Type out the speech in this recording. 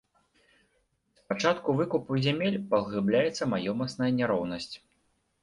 З пачатку выкупу зямель паглыбляецца маёмасная няроўнасць.